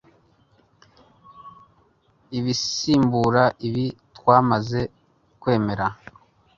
ibisimbura ibi twamaze kwemera.